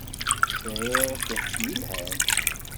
Sɛiɣ takti yelhan.